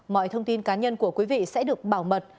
mọi thông tin cá nhân của quý vị sẽ được bảo mật